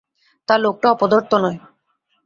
তা লোকটা অপদার্থ নয়।